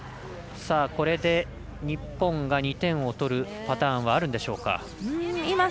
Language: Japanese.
これで日本が２点を取るパターンはあるんでしょうか。